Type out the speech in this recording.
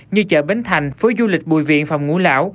như chợ bến thành phố du lịch bùi viện phòng ngũ lão